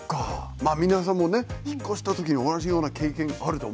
まあ皆さんもね引っ越した時に同じような経験あると思うんですよ。